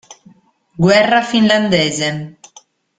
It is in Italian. Guerra finlandese